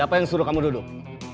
apa yang suruh kamu duduk